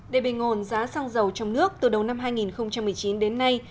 để bình ổn giá xăng dầu trong nước từ đầu năm hai nghìn một mươi chín đến nay